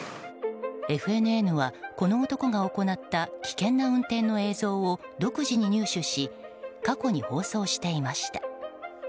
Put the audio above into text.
ＦＮＮはこの男が行った危険な運転の映像を独自に入手し過去に放送していました。